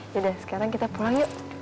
yaudah sekarang kita pulang yuk